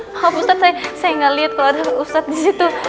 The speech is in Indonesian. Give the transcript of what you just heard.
maaf ustadz saya gak liat kalau ada ustadz disitu